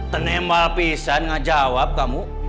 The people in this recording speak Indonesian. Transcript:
teneh mbal pisan gak jawab kamu